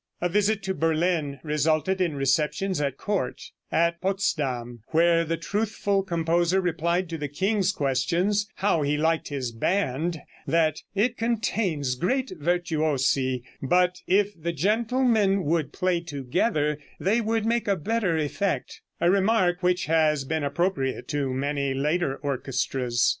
A visit to Berlin resulted in receptions at court, at Potsdam, where the truthful composer replied to the king's question, how he liked his band, that: "It contains great virtuosi, but if the gentlemen would play together they would make a better effect" a remark which has been appropriate to many later orchestras.